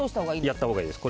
やったほうがいいです。